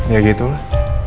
ya gitu lah